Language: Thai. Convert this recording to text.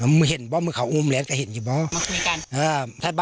มึงเห็นบ้อมึงเขาอุ้มแหลนก็เห็นอยู่บ้อมาคุยกันอ่า